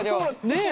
ねえ。